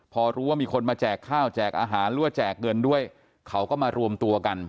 พอรู้ว่ามีคนมาแจกข้าวแจกอาหารหรือว่าแจกเงินด้วยเขาก็มารวมตัวกัน